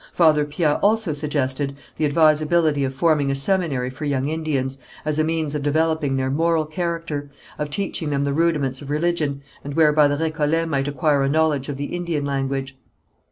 Father Piat also suggested the advisability of forming a seminary for young Indians, as a means of developing their moral character, of teaching them the rudiments of religion, and whereby the Récollets might acquire a knowledge of the Indian language.